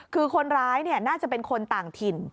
คือคนร้ายน่าจะเป็นคนต่างถิ่น